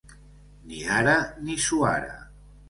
Ni ara ni suara.